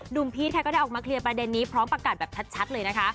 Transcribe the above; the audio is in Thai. พี่ก็ได้ออกมาเคลียร์ประเด็นนี้พร้อมประกาศแบบชัดเลยนะคะ